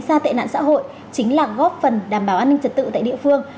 xa tệ nạn xã hội chính là góp phần đảm bảo an ninh trật tự tại địa phương